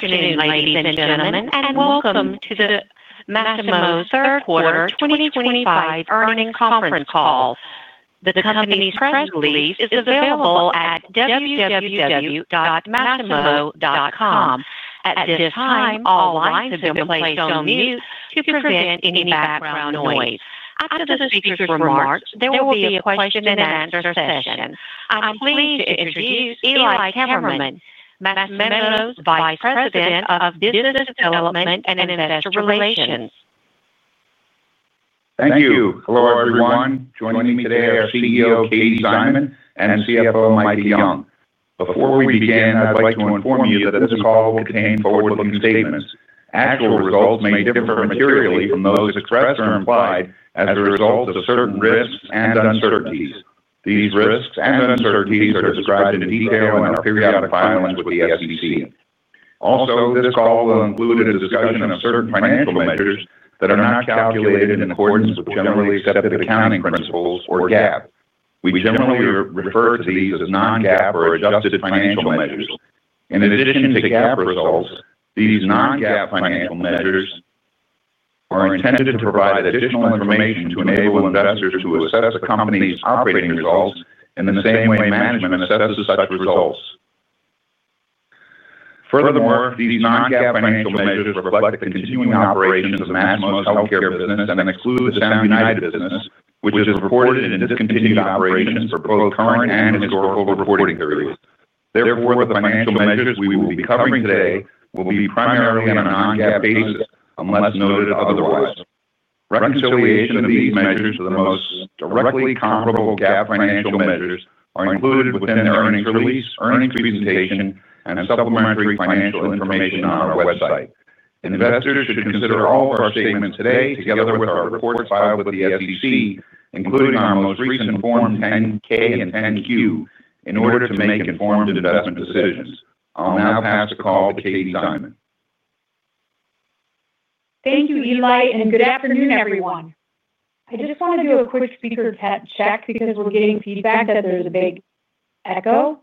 Good afternoon, ladies and gentlemen, and welcome to the Masimo third quarter 2025 earnings conference call. The company's press release is available at www.masimo.com. At this time, all lines have been placed on mute to prevent any background noise. After the speakers' remarks, there will be a question-and-answer session. I'm pleased to introduce Eli Kammerman, Masimo's Vice President of Business Development and Investor Relations. Thank you. Hello, everyone. Joining me today are CEO Katie Szyman and CFO Micah Young. Before we begin, I'd like to inform you that this call will contain forward-looking statements. Actual results may differ materially from those expressed or implied as a result of certain risks and uncertainties. These risks and uncertainties are described in detail in our periodic filings with the SEC. Also, this call will include a discussion of certain financial measures that are not calculated in accordance with generally accepted accounting principles or GAAP. We generally refer to these as non-GAAP or adjusted financial measures. In addition to GAAP results, these non-GAAP financial measures are intended to provide additional information to enable investors to assess a company's operating results in the same way management assesses such results. Furthermore, these non-GAAP financial measures reflect the continuing operations of Masimo's healthcare business and exclude the Sound United business, which has reported in discontinued operations for both current and historical reporting periods. Therefore, the financial measures we will be covering today will be primarily on a non-GAAP basis unless noted otherwise. Reconciliation of these measures to the most directly comparable GAAP financial measures is included within their earnings release, earnings presentation, and supplementary financial information on our website. Investors should consider all of our statements today together with our reports filed with the SEC, including our most recent Form 10-K and 10-Q, in order to make informed investment decisions. I'll now pass the call to Katie Szyman. Thank you, Eli, and good afternoon, everyone. I just want to do a quick speaker check because we're getting feedback that there's a big echo.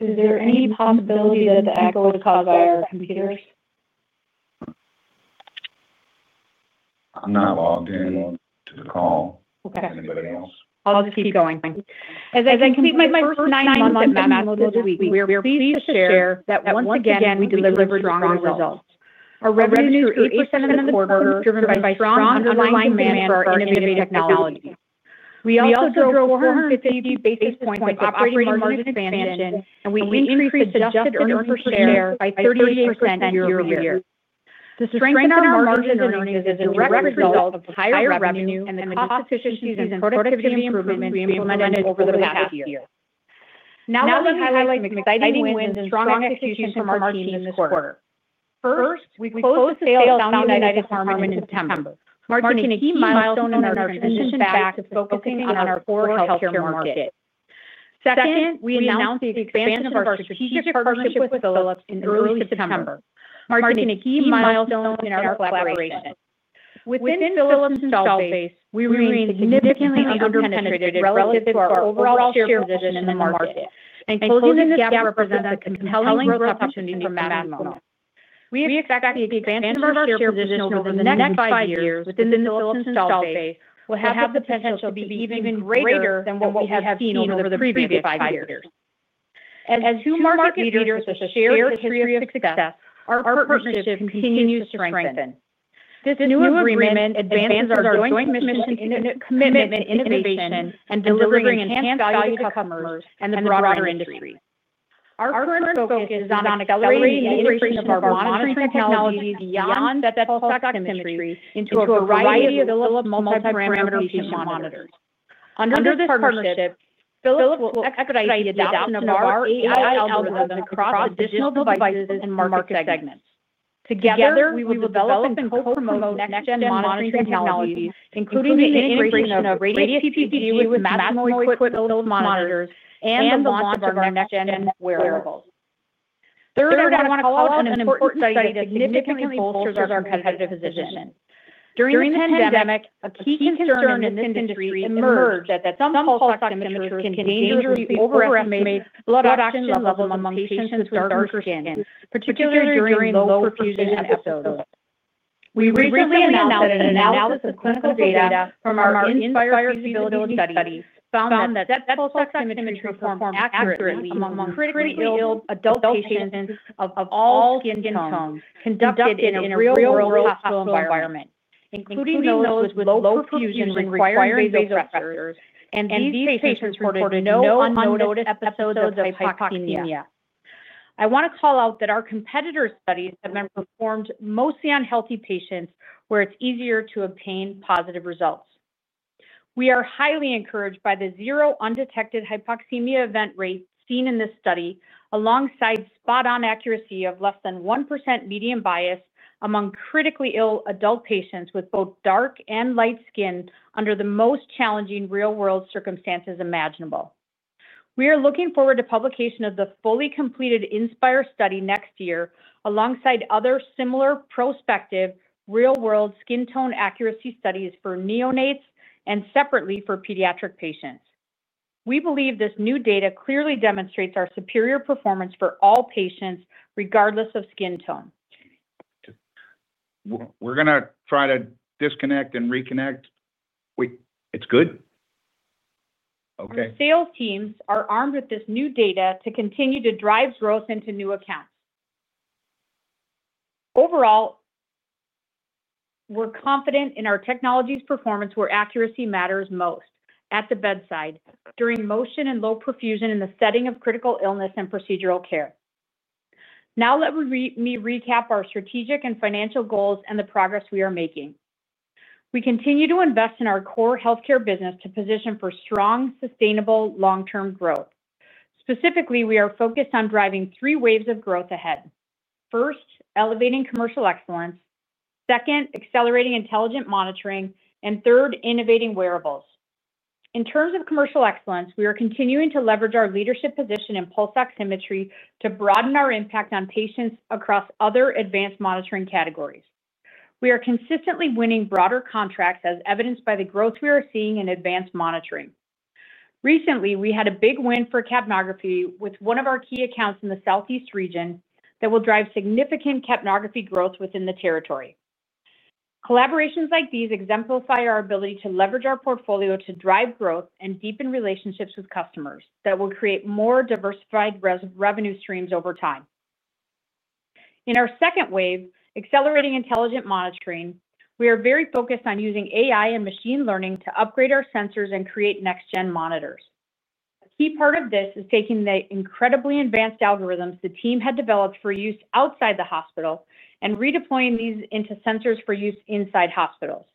Is there any possibility that the echo is caused by our computers? I'm not logged in to the call. Anybody else? I'll just keep going. As I complete my first nine months at Masimo this week, we are pleased to share that once again we delivered strong results. Our revenue grew 8% for the quarter driven by strong online demand for innovative technology. We also drove 450 basis points in operating margin expansion, and we increased adjusted earnings per share by 38% year-over-year. To strengthen our margins and earnings is a direct result of higher revenue and the cost efficiencies and productivity improvements we implemented over the past year. Now, we highlight some exciting news and strong execution from our team this quarter. First, we closed the sale of Sound United's assets in September, marking a key milestone in our transition back to focusing on our core healthcare market. Second, we announced the expansion of our strategic partnership with Philips in early September, marking a key milestone in our collaboration. Within Philips' installed base, we remain significantly underpenetrated relative to our overall share position in the market, and closing this gap represents a compelling growth opportunity for Masimo. We expect the expansion of our share position over the next five years within the Philips installed base will have the potential to be even greater than what we have seen over the previous five years. As two market leaders who have shared a history of success, our partnership continues to strengthen. This new agreement advances our joint mission to our commitment, innovation, and delivery of enhanced value to customers and the broader industry. Our current focus is on accelerating the integration of our monitoring technology beyond the Philips installed base into a variety of Philips multi-parameter patient monitors. Under this partnership, Philips will expedite the adoption of our AI algorithm across additional devices and market segments. Together, we will develop and co-promote next-gen monitoring technologies, including the integration of capnography with Masimo patient monitors and the launch of next-gen wearables. Third, I want to call out an important study that significantly bolsters our competitive position. During the pandemic, a key concern in this industry emerged that some pulse oximeters can dangerously overestimate blood oxygen levels among patients with dark skin, particularly during low perfusion episodes. We recently announced that an analysis of clinical data from our inspired usability study found that Pulse Oximetry performed accurately among critically-ill adult patients of all skin tones conducted in a real-world hospital environment, including those with low perfusion requiring vasopressors, and these patients reported no unnoticed episodes of hypoxemia. I want to call out that our competitor studies have been performed mostly on healthy patients where it's easier to obtain positive results. We are highly encouraged by the zero undetected hypoxemia event rate seen in this study, alongside spot-on accuracy of less than 1% median bias among critically ill adult patients with both dark and light skin under the most challenging real-world circumstances imaginable. We are looking forward to publication of the fully completed Inspire study next year, alongside other similar prospective real-world skin tone accuracy studies for neonates and separately for pediatric patients. We believe this new data clearly demonstrates our superior performance for all patients, regardless of skin tone. We're going to try to disconnect and reconnect. It's good. Okay. Our sales teams are armed with this new data to continue to drive growth into new accounts. Overall, we're confident in our technology's performance where accuracy matters most at the bedside, during motion and low perfusion in the setting of critical illness and procedural care. Now, let me recap our strategic and financial goals and the progress we are making. We continue to invest in our core healthcare business to position for strong, sustainable, long-term growth. Specifically, we are focused on driving three waves of growth ahead. First, elevating commercial excellence. Second, accelerating intelligent monitoring, and third, innovating wearables. In terms of commercial excellence, we are continuing to leverage our leadership position in Pulse Oximetry to broaden our impact on patients across other advanced monitoring categories. We are consistently winning broader contracts, as evidenced by the growth we are seeing in advanced monitoring. Recently, we had a big win for capnography with one of our key accounts in the Southeast region that will drive significant capnography growth within the territory. Collaborations like these exemplify our ability to leverage our portfolio to drive growth and deepen relationships with customers that will create more diversified revenue streams over time. In our second wave, accelerating intelligent monitoring, we are very focused on using AI and machine learning to upgrade our sensors and create next-gen monitors. A key part of this is taking the incredibly advanced algorithms the team had developed for use outside the hospital and redeploying these into sensors for use inside hospitals.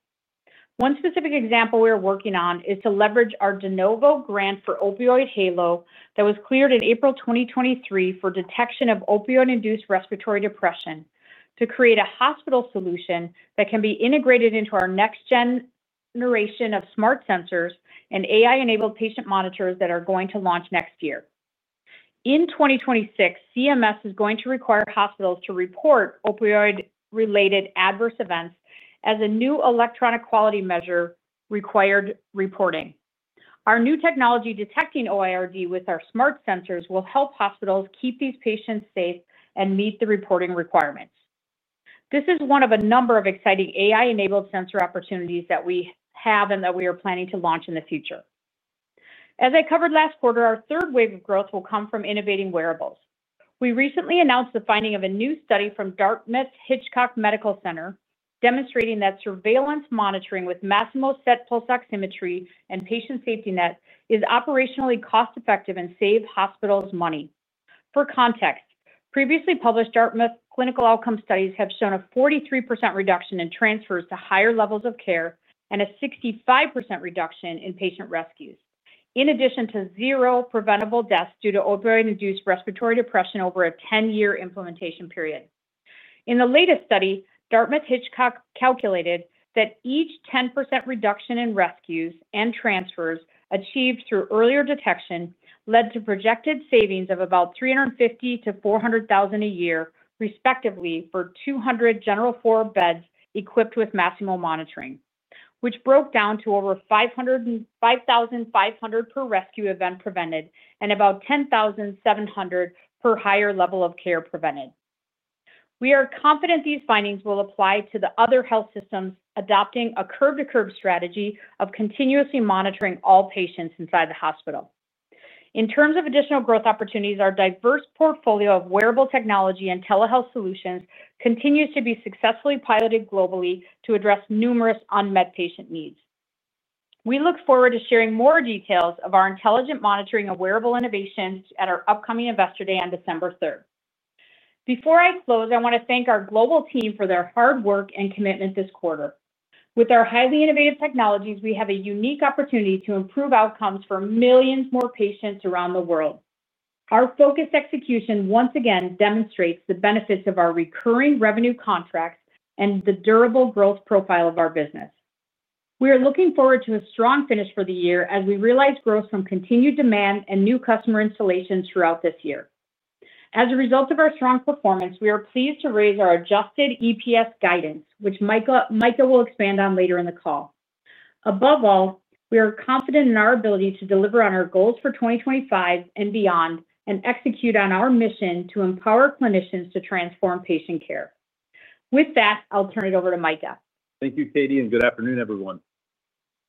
One specific example we are working on is to leverage our de novo grant for Opioid Halo that was cleared in April 2023 for detection of opioid-induced respiratory depression to create a hospital solution that can be integrated into our next-generation of smart sensors and AI-enabled patient monitors that are going to launch next year. In 2026, CMS is going to require hospitals to report opioid-related adverse events as a new electronic quality measure required reporting. Our new technology detecting OIRD with our smart sensors will help hospitals keep these patients safe and meet the reporting requirements. This is one of a number of exciting AI-enabled sensor opportunities that we have and that we are planning to launch in the future. As I covered last quarter, our third wave of growth will come from innovating wearables. We recently announced the finding of a new study from Dartmouth-Hitchcock Medical Center demonstrating that surveillance monitoring with Masimo's SET Pulse Oximetry and patient safety nets is operationally cost-effective and saves hospitals money. For context, previously published Dartmouth clinical outcome studies have shown a 43% reduction in transfers to higher levels of care and a 65% reduction in patient rescues, in addition to zero preventable deaths due to opioid-induced respiratory depression over a 10-year implementation period. In the latest study, Dartmouth-Hitchcock calculated that each 10% reduction in rescues and transfers achieved through earlier detection led to projected savings of about $350,000-$400,000 a year, respectively, for 200 general floor beds equipped with Masimo monitoring, which broke down to over $5,500 per rescue event prevented and about $10,700 per higher level of care prevented. We are confident these findings will apply to the other health systems adopting a curb-to-curb strategy of continuously monitoring all patients inside the hospital. In terms of additional growth opportunities, our diverse portfolio of wearable technology and telehealth solutions continues to be successfully piloted globally to address numerous unmet patient needs. We look forward to sharing more details of our intelligent monitoring of wearable innovations at our upcoming Investor Day on December 3rd. Before I close, I want to thank our global team for their hard work and commitment this quarter. With our highly innovative technologies, we have a unique opportunity to improve outcomes for millions more patients around the world. Our focused execution once again demonstrates the benefits of our recurring revenue contracts and the durable growth profile of our business. We are looking forward to a strong finish for the year as we realize growth from continued demand and new customer installations throughout this year. As a result of our strong performance, we are pleased to raise our adjusted EPS guidance, which Micah will expand on later in the call. Above all, we are confident in our ability to deliver on our goals for 2025 and beyond and execute on our mission to empower clinicians to transform patient care. With that, I'll turn it over to Micah. Thank you, Katie, and good afternoon, everyone.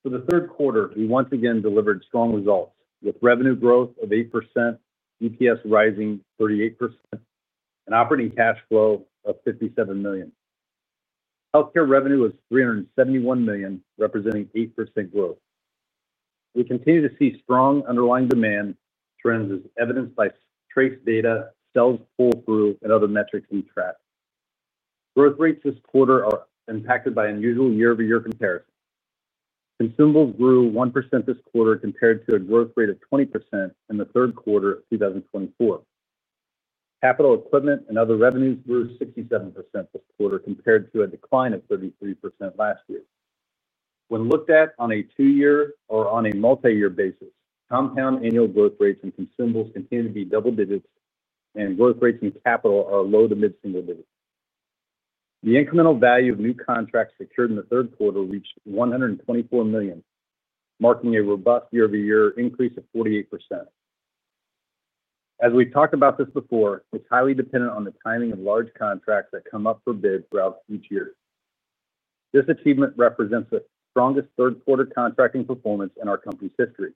For the third quarter, we once again delivered strong results with revenue growth of 8%, EPS rising 38%, and operating cash flow of $57 million. Healthcare revenue was $371 million, representing 8% growth. We continue to see strong underlying demand trends, as evidenced by trace data, sales pull-through, and other metrics we track. Growth rates this quarter are impacted by unusual year-over-year comparisons. Consumables grew 1% this quarter compared to a growth rate of 20% in the third quarter of 2024. Capital equipment and other revenues grew 67% this quarter compared to a decline of 33% last year. When looked at on a two-year or on a multi-year basis, compound annual growth rates in consumables continue to be double digits, and growth rates in capital are low to mid-single digits. The incremental value of new contracts secured in the third quarter reached $124 million, marking a robust year-over-year increase of 48%. As we've talked about this before, it's highly dependent on the timing of large contracts that come up for bid throughout each year. This achievement represents the strongest third-quarter contracting performance in our company's history,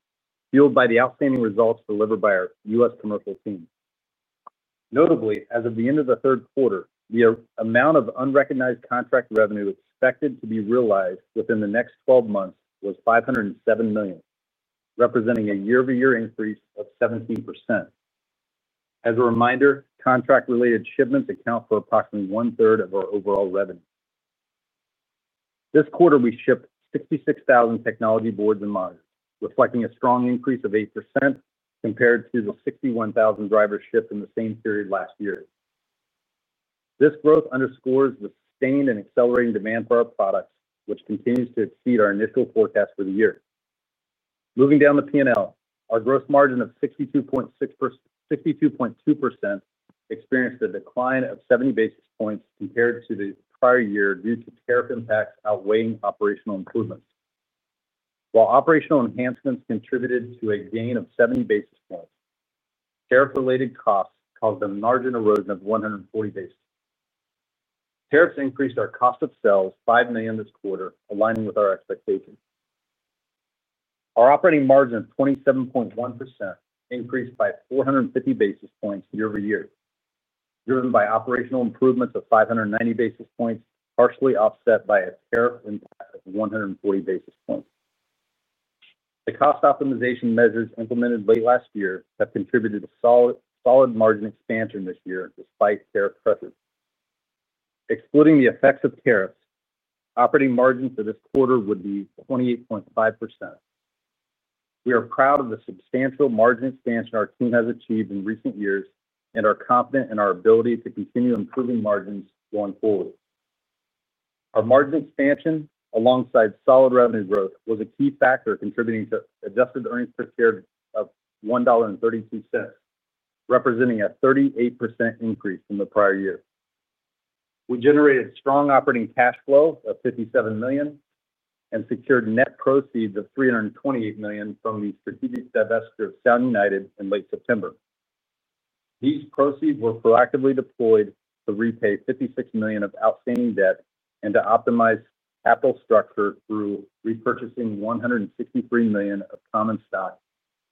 fueled by the outstanding results delivered by our U.S. commercial team. Notably, as of the end of the third quarter, the amount of unrecognized contract revenue expected to be realized within the next 12 months was $507 million, representing a year-over-year increase of 17%. As a reminder, contract-related shipments account for approximately 1/3 of our overall revenue. This quarter, we shipped 66,000 technology boards and monitors, reflecting a strong increase of 8% compared to the 61,000 drivers shipped in the same period last year. This growth underscores the sustained and accelerating demand for our products, which continues to exceed our initial forecast for the year. Moving down the P&L, our gross margin of 62.2% experienced a decline of 70 basis points compared to the prior year due to tariff impacts outweighing operational improvements. While operational enhancements contributed to a gain of 70 basis points, tariff-related costs caused a margin erosion of 140 basis points. Tariffs increased our cost of sales by $5 million this quarter, aligning with our expectations. Our operating margin of 27.1% increased by 450 basis points year-over-year, driven by operational improvements of 590 basis points, partially offset by a tariff impact of 140 basis points. The cost optimization measures implemented late last year have contributed to solid margin expansion this year despite tariff pressures. Excluding the effects of tariffs, operating margin for this quarter would be 28.5%. We are proud of the substantial margin expansion our team has achieved in recent years and are confident in our ability to continue improving margins going forward. Our margin expansion, alongside solid revenue growth, was a key factor contributing to adjusted earnings per share of $1.32, representing a 38% increase from the prior year. We generated strong operating cash flow of $57 million and secured net proceeds of $328 million from the strategic divestiture of Sound United in late September. These proceeds were proactively deployed to repay $56 million of outstanding debt and to optimize capital structure through repurchasing $163 million of common stock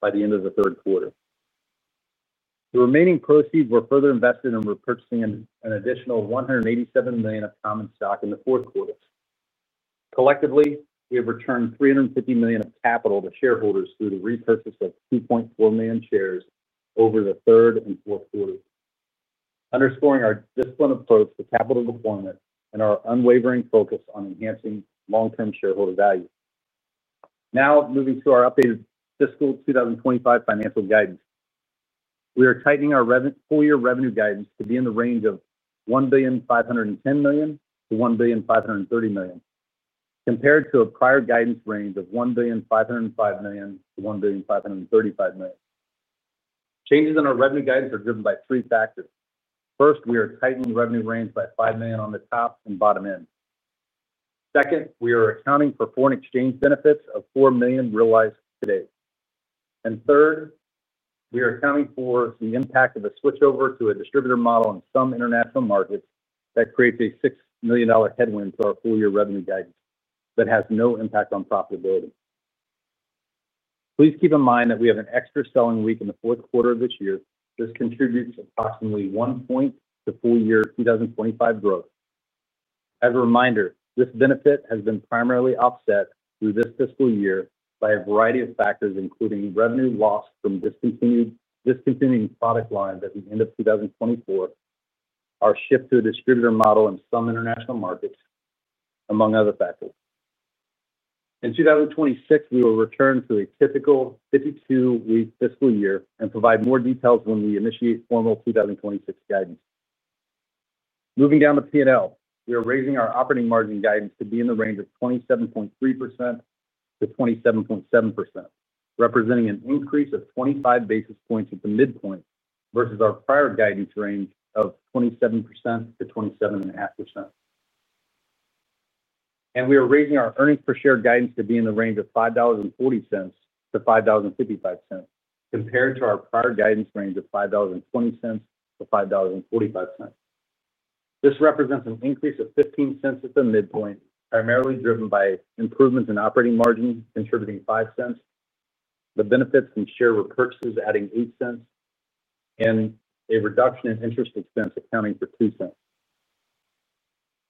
by the end of the third quarter. The remaining proceeds were further invested in repurchasing an additional $187 million of common stock in the fourth quarter. Collectively, we have returned $350 million of capital to shareholders through the repurchase of 2.4 million shares over the third and fourth quarters, underscoring our disciplined approach to capital deployment and our unwavering focus on enhancing long-term shareholder value. Now, moving to our updated fiscal 2025 financial guidance. We are tightening our full-year revenue guidance to be in the range of $1,510 million-$1,530 million, compared to a prior guidance range of $1,505 million-$1,535 million. Changes in our revenue guidance are driven by three factors. First, we are tightening the revenue range by $5 million on the top and bottom end. Second, we are accounting for foreign exchange benefits of $4 million realized today. And third. We are accounting for the impact of a switchover to a distributor model in some international markets that creates a $6 million headwind to our full-year revenue guidance that has no impact on profitability. Please keep in mind that we have an extra selling week in the fourth quarter of this year. This contributes approximately one point to full-year 2025 growth. As a reminder, this benefit has been primarily offset through this fiscal year by a variety of factors, including revenue loss from discontinuing product lines at the end of 2024. Our shift to a distributor model in some international markets, among other factors. In 2026, we will return to a typical 52-week fiscal year and provide more details when we initiate formal 2026 guidance. Moving down the P&L, we are raising our operating margin guidance to be in the range of 27.3%-27.7%, representing an increase of 25 basis points at the midpoint versus our prior guidance range of 27%-27.5%. And we are raising our earnings per share guidance to be in the range of $5.40-$5.55, compared to our prior guidance range of $5.20-$5.45. This represents an increase of $0.15 at the midpoint, primarily driven by improvements in operating margin contributing $0.05. The benefits from share repurchases adding $0.08. And a reduction in interest expense accounting for $0.02.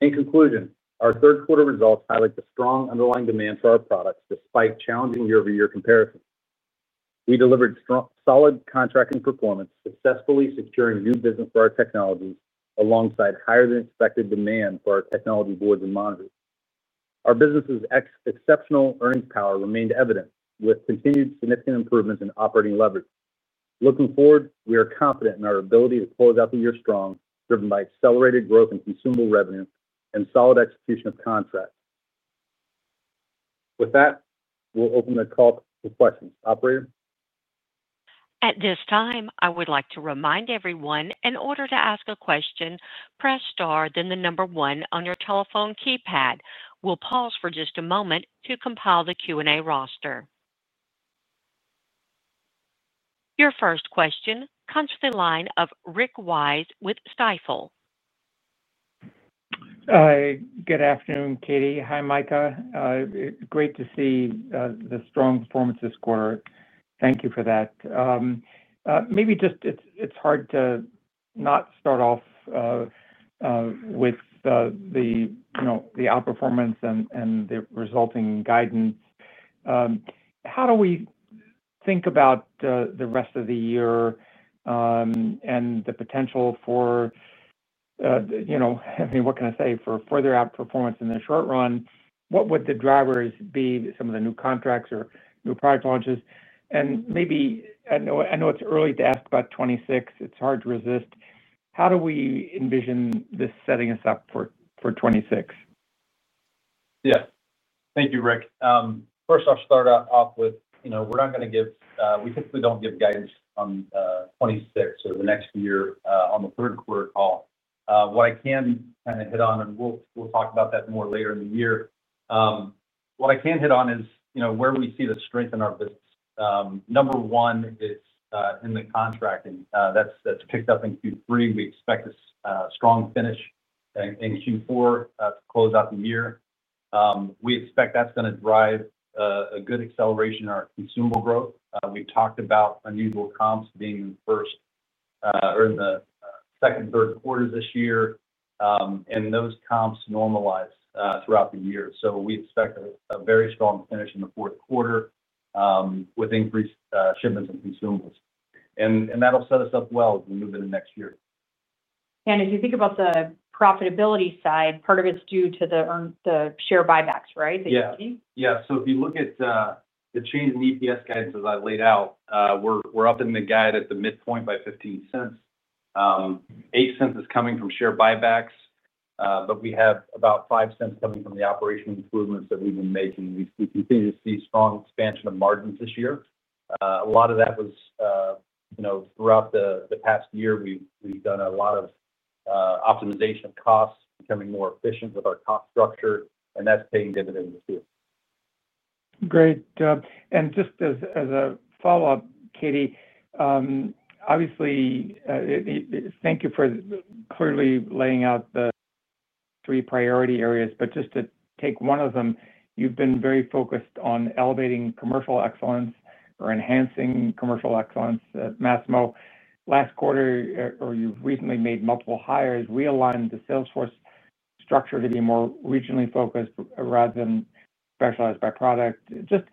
In conclusion, our third-quarter results highlight the strong underlying demand for our products despite challenging year-over-year comparisons. We delivered solid contracting performance, successfully securing new business for our technologies alongside higher-than-expected demand for our technology boards and monitors. Our business's exceptional earnings power remained evident with continued significant improvements in operating leverage. Looking forward, we are confident in our ability to close out the year strong, driven by accelerated growth in consumable revenue and solid execution of contracts. With that, we'll open the call for questions. Operator. At this time, I would like to remind everyone, in order to ask a question, press star, then the number one on your telephone keypad. We'll pause for just a moment to compile the Q&A roster. Your first question comes from the line of Rick Wise with Stifel. Good afternoon, Katie. Hi, Micah. Great to see the strong performance this quarter. Thank you for that. Maybe just it's hard to not start off with the outperformance and the resulting guidance. How do we think about the rest of the year and the potential for, I mean, what can I say, for further outperformance in the short run? What would the drivers be, some of the new contracts or new product launches? And maybe, I know it's early to ask about 2026. It's hard to resist. How do we envision this setting us up for 2026? Yes. Thank you, Rick. First, I'll start off with, we're not going to give. We typically don't give guidance on 2026 or the next year on the third-quarter call. What I can kind of hit on, and we'll talk about that more later in the year. What I can hit on is where we see the strength in our business. Number one is in the contracting. That's picked up in Q3. We expect a strong finish in Q4 to close out the year. We expect that's going to drive a good acceleration in our consumable growth. We've talked about unusual comps being in the first. Or the second, third quarters this year. And those comps normalize throughout the year. So we expect a very strong finish in the fourth quarter. With increased shipments and consumables. And that'll set us up well as we move into next year. If you think about the profitability side, part of it's due to the share buybacks, right? Yeah. So if you look at the change in EPS guidance as I laid out, we're up in the guide at the midpoint by $0.15. $0.08 is coming from share buybacks, but we have about $0.05 coming from the operational improvements that we've been making. We continue to see strong expansion of margins this year. A lot of that was. Throughout the past year, we've done a lot of. Optimization of costs, becoming more efficient with our cost structure, and that's paying dividends too. Great. And just as a follow-up, Katie. Obviously, thank you for clearly laying out the three priority areas, but just to take one of them, you've been very focused on elevating commercial excellence or enhancing commercial excellence at Masimo. Last quarter, or you've recently made multiple hires, realigned the salesforce structure to be more regionally focused rather than specialized by product. Just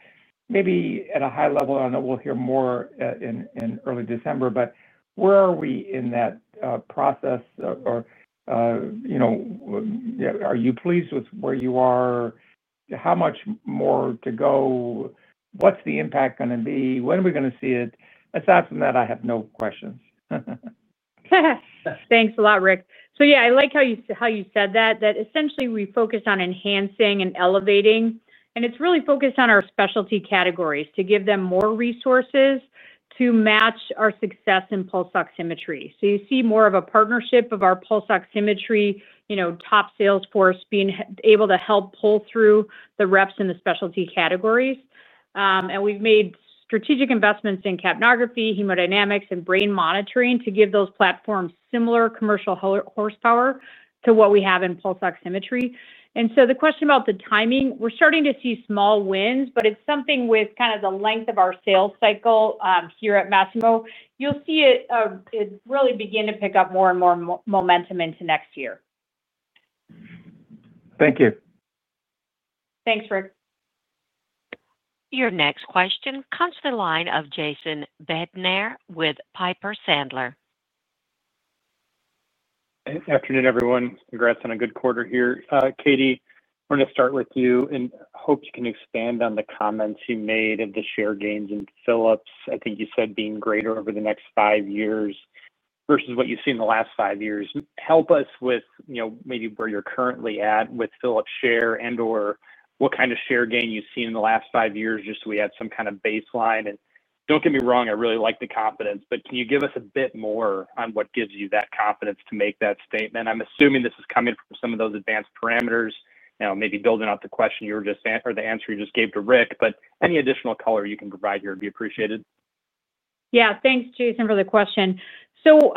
maybe at a high level, I know we'll hear more in early December, but where are we in that process? Or are you pleased with where you are? How much more to go? What's the impact going to be? When are we going to see it? Aside from that, I have no questions. Thanks a lot, Rick. So yeah, I like how you said that, that essentially we focused on enhancing and elevating, and it's really focused on our specialty categories to give them more resources to match our success in Pulse Oximetry. So you see more of a partnership of our Pulse Oximetry top salesforce being able to help pull through the reps in the specialty categories. And we've made strategic investments in capnography, hemodynamics, and brain monitoring to give those platforms similar commercial horsepower to what we have in Pulse Oximetry. And so the question about the timing, we're starting to see small wins, but it's something with kind of the length of our sales cycle here at Masimo. You'll see it really begin to pick up more and more momentum into next year. Thank you. Thanks, Rick. Your next question comes to the line of Jason Bednar with Piper Sandler. Afternoon, everyone. Congrats on a good quarter here. Katie, I want to start with you and hope you can expand on the comments you made of the share gains in Philips. I think you said being greater over the next five years versus what you've seen in the last five years. Help us with maybe where you're currently at with Philips share and/or what kind of share gain you've seen in the last five years just so we have some kind of baseline, and don't get me wrong, I really like the confidence, but can you give us a bit more on what gives you that confidence to make that statement? I'm assuming this is coming from some of those advanced parameters, maybe building out the question you were just or the answer you just gave to Rick, but any additional color you can provide here, it'd be appreciated. Yeah. Thanks, Jason, for the question. So.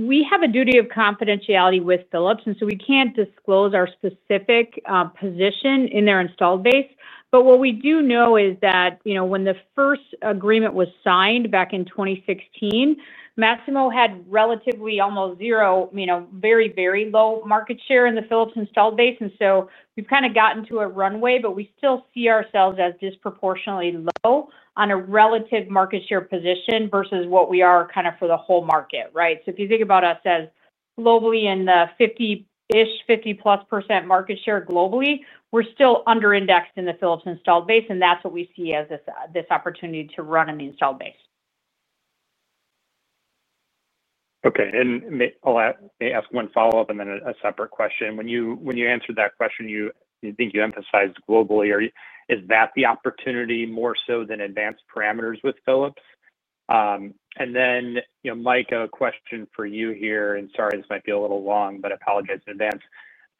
We have a duty of confidentiality with Philips, and so we can't disclose our specific position in their installed base. But what we do know is that when the first agreement was signed back in 2016, Masimo had relatively almost zero, very, very low market share in the Philips installed base. And so we've kind of gotten to a runway, but we still see ourselves as disproportionately low on a relative market share position versus what we are kind of for the whole market, right? So if you think about us as globally in the 50-ish, 50+% market share globally, we're still under-indexed in the Philips installed base, and that's what we see as this opportunity to run in the installed base. Okay. And may I ask one follow-up and then a separate question? When you answered that question, I think you emphasized globally. Is that the opportunity more so than advanced parameters with Philips? And then, Micah, a question for you here, and sorry, this might be a little long, but I apologize in advance.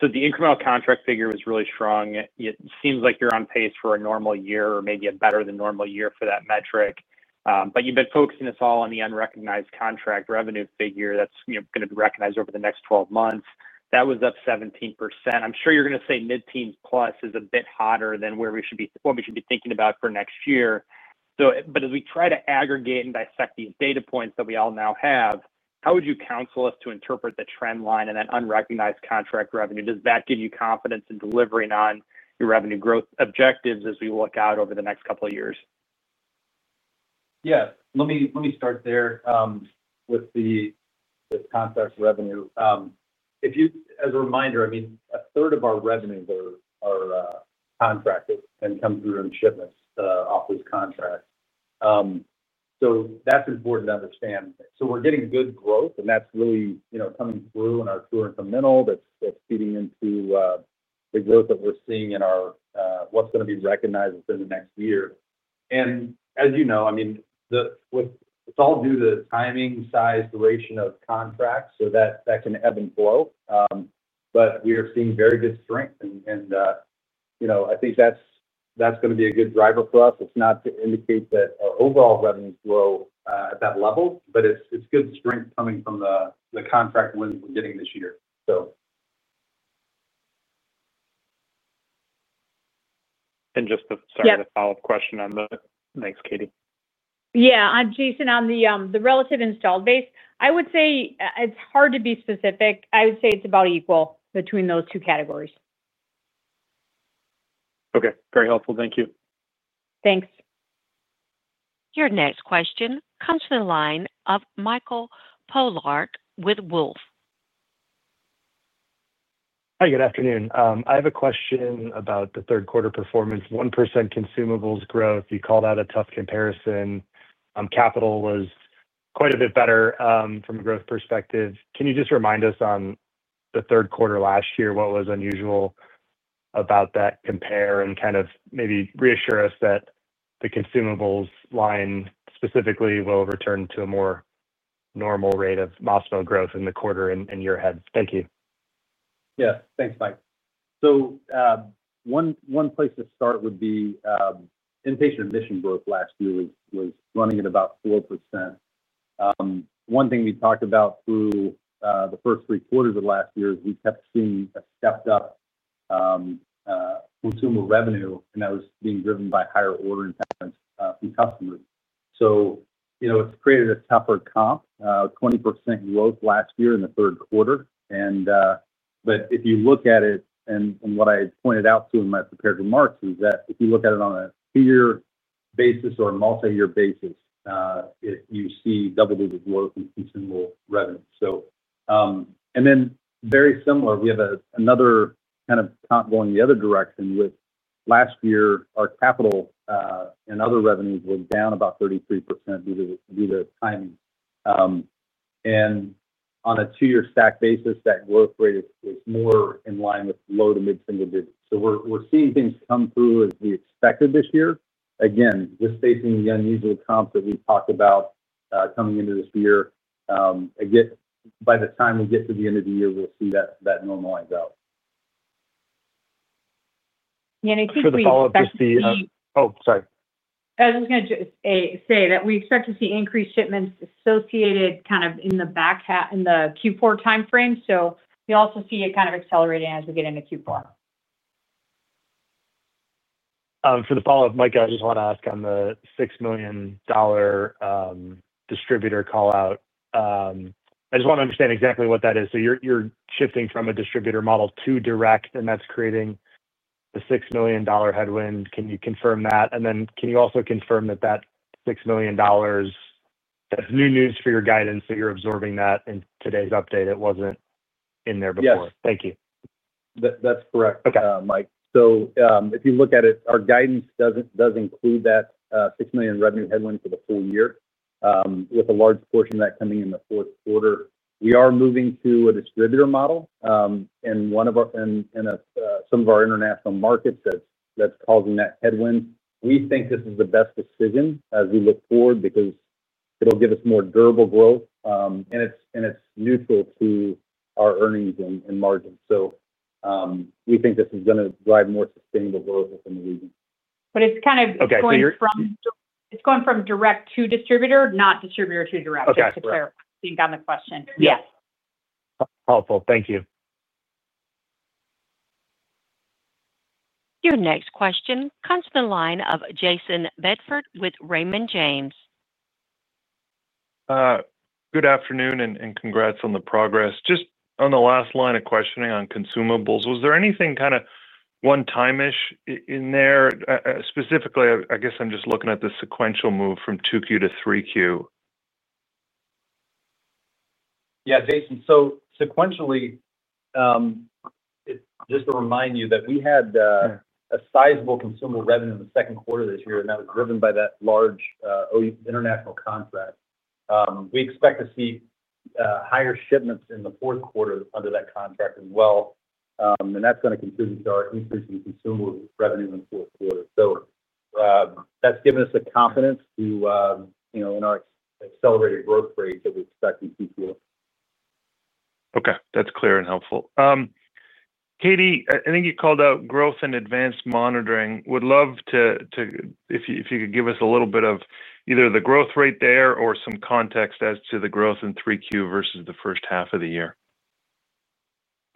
So the incremental contract figure was really strong. It seems like you're on pace for a normal year or maybe a better than normal year for that metric. But you've been focusing us all on the unrecognized contract revenue figure that's going to be recognized over the next 12 months. That was up 17%. I'm sure you're going to say mid-teens plus is a bit hotter than what we should be thinking about for next year. But as we try to aggregate and dissect these data points that we all now have, how would you counsel us to interpret the trend line and that unrecognized contract revenue? Does that give you confidence in delivering on your revenue growth objectives as we look out over the next couple of years? Yeah. Let me start there. With the contract revenue. As a reminder, I mean, 1/3 our revenues are contracted and come through in shipments off of these contracts. So that's important to understand. So we're getting good growth, and that's really coming through in our core and incremental that's feeding into the growth that we're seeing in what's going to be recognized within the next year, and as you know, I mean, it's all due to timing, size, duration of contracts, so that can ebb and flow, but we are seeing very good strength, and I think that's going to be a good driver for us. It's not to indicate that our overall revenues grow at that level, but it's good strength coming from the contract wins we're getting this year, so. Just to start with a follow-up question on the thanks, Katie. Yeah. I'm Jason on the relative installed base. I would say it's hard to be specific. I would say it's about equal between those two categories. Okay. Very helpful. Thank you. Thanks. Your next question comes to the line of Michael Polark with Wolfe. Hi, good afternoon. I have a question about the third-quarter performance. 1% consumables growth, you called out a tough comparison. Capital was quite a bit better from a growth perspective. Can you just remind us on the third quarter last year what was unusual about that comp and kind of maybe reassure us that the consumables line specifically will return to a more normal rate of mid-single-digit growth in the quarter and year ahead? Thank you. Yeah. Thanks, Mike. So. One place to start would be. Inpatient admission growth last year was running at about 4%. One thing we talked about through the first three quarters of last year is we kept seeing a stepped-up consumer revenue, and that was being driven by higher order intentions from customers. So. It's created a tougher comp, 20% growth last year in the third quarter. But if you look at it, and what I pointed out too in my prepared remarks is that if you look at it on a two-year basis or a multi-year basis, you see double-digit growth in consumable revenue. And then very similar, we have another kind of comp going the other direction with last year, our capital and other revenues were down about 33% due to timing. And on a two-year stack basis, that growth rate is more in line with low to mid-single digits. So we're seeing things come through as we expected this year. Again, just facing the unusual comps that we've talked about coming into this year. By the time we get to the end of the year, we'll see that normalize out. And I think for the follow-up, just the--oh, sorry. I was just going to say that we expect to see increased shipments associated kind of in the back in the Q4 timeframe. So we also see it kind of accelerating as we get into Q4. For the follow-up, Micah, I just want to ask on the $6 million distributor callout. I just want to understand exactly what that is. So you're shifting from a distributor model to direct, and that's creating the $6 million headwind. Can you confirm that? And then can you also confirm that that $6 million that's new news for your guidance that you're absorbing that in today's update? It wasn't in there before. Yes. Thank you. That's correct, Mike. So if you look at it, our guidance does include that $6 million revenue headwind for the full year, with a large portion of that coming in the fourth quarter. We are moving to a distributor model, and some of our international markets that's causing that headwind. We think this is the best decision as we look forward because it'll give us more durable growth, and it's neutral to our earnings and margins. So we think this is going to drive more sustainable growth within the region. But it's kind of going from. Okay. So you're. It's going from direct to distributor, not distributor to direct, just to clarify. I think on the question. Yes. Helpful. Thank you. Your next question comes to the line of Jayson Bedford with Raymond James. Good afternoon and congrats on the progress. Just on the last line of questioning on consumables, was there anything kind of one-time-ish in there? Specifically, I guess I'm just looking at the sequential move from 2Q to 3Q. Yeah, Jayson. So sequentially, just to remind you that we had a sizable consumer revenue in the second quarter this year, and that was driven by that large international contract. We expect to see higher shipments in the fourth quarter under that contract as well. And that's going to contribute to our increase in consumer revenue in the fourth quarter. So that's given us the confidence to in our accelerated growth rate that we expect in Q4. Okay. That's clear and helpful. Katie, I think you called out growth and advanced monitoring. Would love to. If you could give us a little bit of either the growth rate there or some context as to the growth in 3Q versus the first half of the year.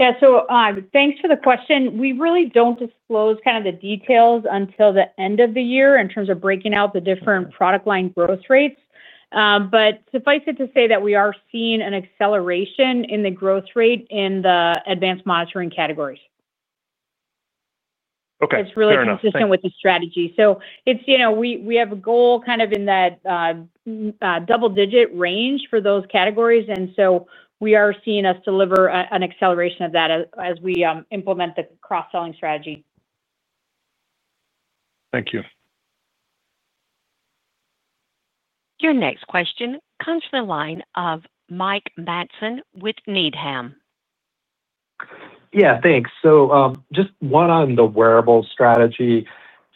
Yeah. So thanks for the question. We really don't disclose kind of the details until the end of the year in terms of breaking out the different product line growth rates. But suffice it to say that we are seeing an acceleration in the growth rate in the advanced monitoring categories. Okay. Fair enough. It's really consistent with the strategy. So we have a goal kind of in that. Double-digit range for those categories. And so we are seeing us deliver an acceleration of that as we implement the cross-selling strategy. Thank you. Your next question comes to the line of Mike Matson with Needham. Yeah. Thanks. So just one on the wearable strategy.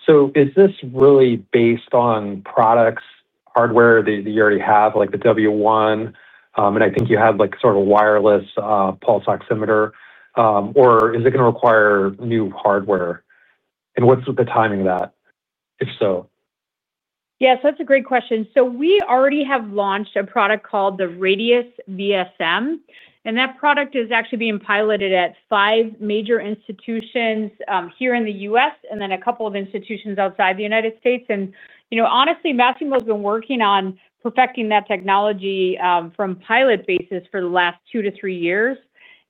So is this really based on products, hardware that you already have, like the W1? And I think you have sort of a wireless pulse oximeter. Or is it going to require new hardware? And what's the timing of that, if so? Yeah. So that's a great question. So we already have launched a product called the Radius VSM. And that product is actually being piloted at five major institutions here in the U.S. and then a couple of institutions outside the United States. And honestly, Masimo has been working on perfecting that technology from pilot basis for the last two to three years.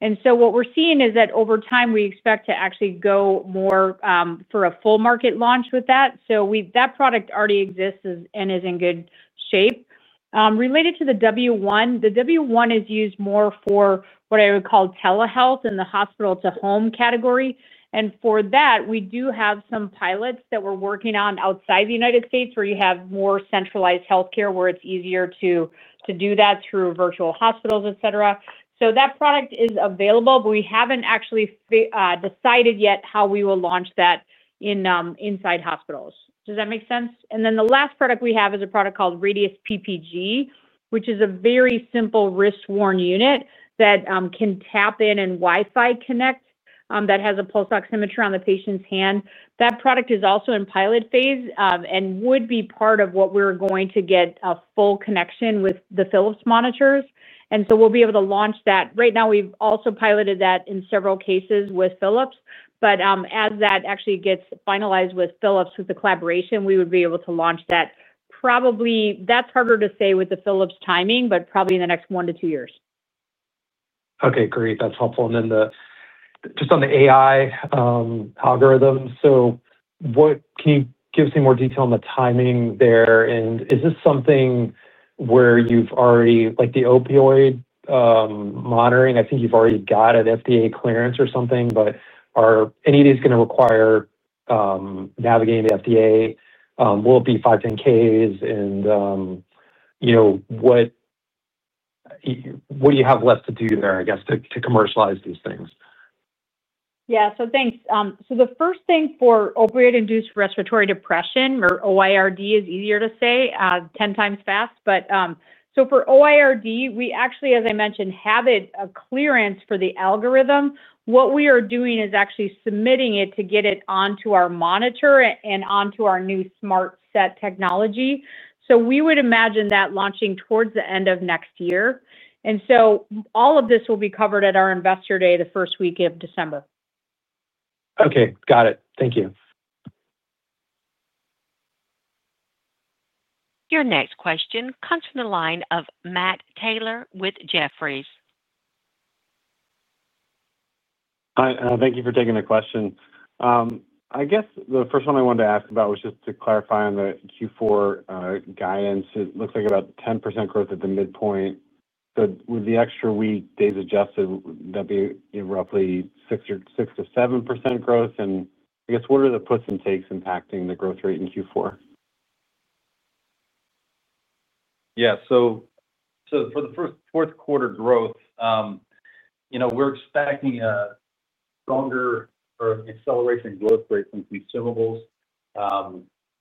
And so what we're seeing is that over time, we expect to actually go more for a full market launch with that. So that product already exists and is in good shape. Related to the W1, the W1 is used more for what I would call telehealth in the hospital-to-home category. And for that, we do have some pilots that we're working on outside the United States where you have more centralized healthcare where it's easier to do that through virtual hospitals, etc. So that product is available, but we haven't actually decided yet how we will launch that inside hospitals. Does that make sense? And then the last product we have is a product called Radius PPG, which is a very simple wrist-worn unit that can tap in and Wi-Fi connect that has a pulse oximeter on the patient's hand. That product is also in pilot phase and would be part of what we're going to get a full connection with the Philips monitors. And so we'll be able to launch that. Right now, we've also piloted that in several cases with Philips. But as that actually gets finalized with Philips, with the collaboration, we would be able to launch that. Probably that's harder to say with the Philips timing, but probably in the next one to two years. Okay. Great. That's helpful. And then, just on the AI algorithms. So can you give us some more detail on the timing there? And is this something where you've already, like, the opioid monitoring? I think you've already got an FDA clearance or something, but are any of these going to require navigating the FDA? Will it be 510(k)s? And what do you have left to do there, I guess, to commercialize these things? Yeah. So thanks. So the first thing for opioid-induced respiratory depression, or OIRD, is easier to say 10x fast. So for OIRD, we actually, as I mentioned, have a clearance for the algorithm. What we are doing is actually submitting it to get it onto our monitor and onto our new smart set technology. So we would imagine that launching towards the end of next year. And so all of this will be covered at our investor day the first week of December. Okay. Got it. Thank you. Your next question comes from the line of Matt Taylor with Jefferies. Hi. Thank you for taking the question. I guess the first one I wanted to ask about was just to clarify on the Q4 guidance. It looks like about 10% growth at the midpoint. But with the extra week days adjusted, that'd be roughly 6%-7% growth. And I guess, what are the puts and takes impacting the growth rate in Q4? Yeah. So, for the fourth quarter growth, we're expecting a stronger or acceleration growth rate from consumables.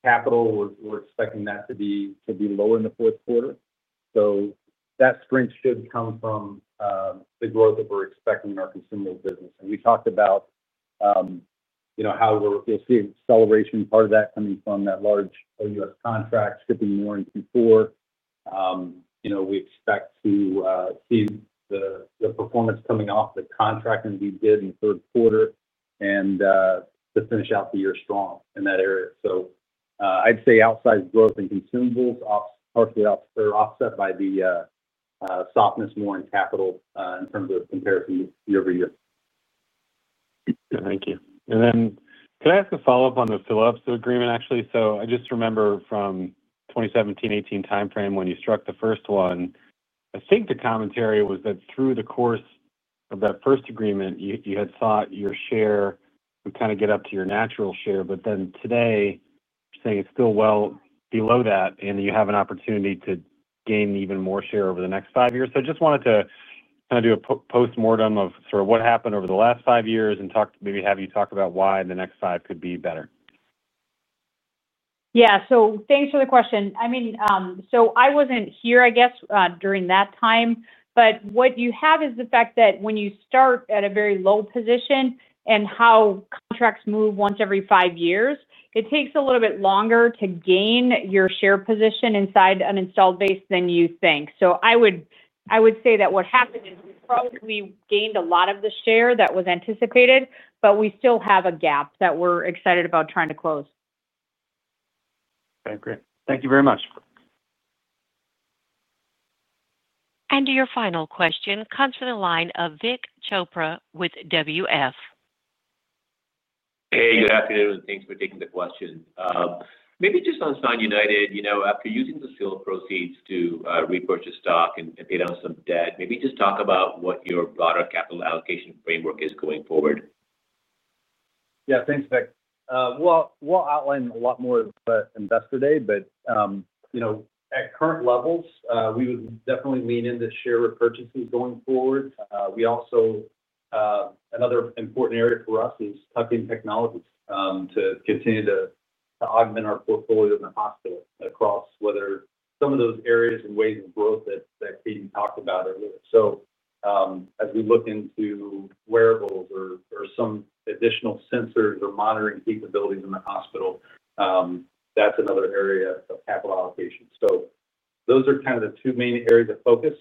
Capital, we're expecting that to be lower in the fourth quarter. So that strength should come from the growth that we're expecting in our consumer business. And we talked about how we'll see acceleration, part of that coming from that large U.S. contract shipping more in Q4. We expect to see the performance coming off the contract as we did in the third quarter and to finish out the year strong in that area. So I'd say outsized growth in consumables partially offset by the softness more in capital in terms of comparison year-over-year. Thank you, and then can I ask a follow-up on the Philips agreement, actually? So I just remember from 2017, 2018 timeframe when you struck the first one, I think the commentary was that through the course of that first agreement, you had sought your share and kind of get up to your natural share, but then today, you're saying it's still well below that, and you have an opportunity to gain even more share over the next five years, so I just wanted to kind of do a postmortem of sort of what happened over the last five years and maybe have you talk about why the next five could be better. Yeah. So thanks for the question. I mean, so I wasn't here, I guess, during that time. But what you have is the fact that when you start at a very low position and how contracts move once every five years, it takes a little bit longer to gain your share position inside an installed base than you think. So I would say that what happened is we probably gained a lot of the share that was anticipated, but we still have a gap that we're excited about trying to close. Okay. Great. Thank you very much. Your final question comes from the line of Vik Chopra with WF. Hey, good afternoon. Thanks for taking the question. Maybe just on Sound United, after using the sale proceeds to repurchase stock and pay down some debt, maybe just talk about what your broader capital allocation framework is going forward. Yeah. Thanks, Vik. Well, we'll outline a lot more of the investor day, but. At current levels, we would definitely lean into share repurchases going forward. We also. Another important area for us is tuck-in technologies to continue to augment our portfolio in the hospital across some of those areas and ways of growth that Katie talked about earlier. So as we look into. Wearables or some additional sensors or monitoring capabilities in the hospital, that's another area of capital allocation. So those are kind of the two main areas of focus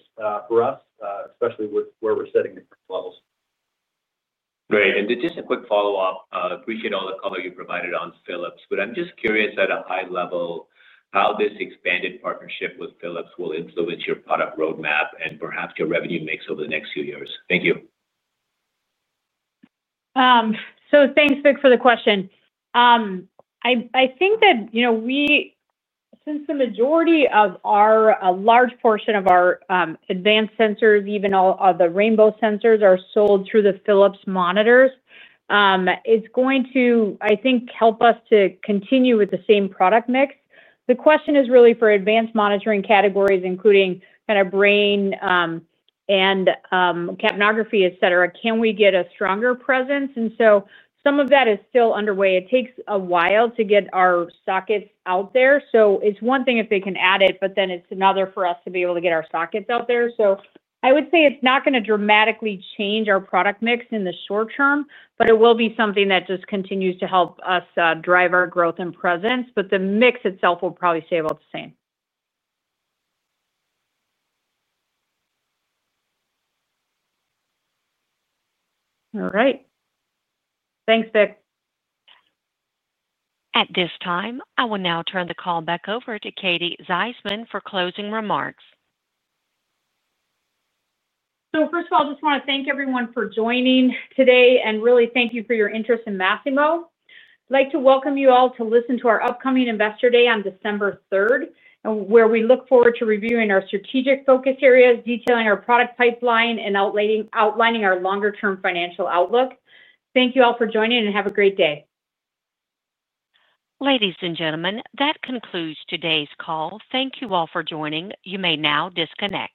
for us, especially with where we're sitting at the current levels. Great. And just a quick follow-up. Appreciate all the color you provided on Philips. But I'm just curious at a high level how this expanded partnership with Philips will influence your product roadmap and perhaps your revenue mix over the next few years. Thank you. So thanks, Vik, for the question. I think that since the majority of our large portion of our advanced sensors, even all of the rainbow sensors, are sold through the Philips monitors, it's going to, I think, help us to continue with the same product mix. The question is really for advanced monitoring categories, including kind of brain and capnography, etc., can we get a stronger presence? And so some of that is still underway. It takes a while to get our sockets out there. So it's one thing if they can add it, but then it's another for us to be able to get our sockets out there. So I would say it's not going to dramatically change our product mix in the short term, but it will be something that just continues to help us drive our growth and presence. But the mix itself will probably stay about the same. All right. Thanks, Vik. At this time, I will now turn the call back over to Katie Szyman for closing remarks. So first of all, I just want to thank everyone for joining today and really thank you for your interest in Masimo. I'd like to welcome you all to listen to our upcoming investor day on December 3rd, where we look forward to reviewing our strategic focus areas, detailing our product pipeline, and outlining our longer-term financial outlook. Thank you all for joining, and have a great day. Ladies and gentlemen, that concludes today's call. Thank you all for joining. You may now disconnect.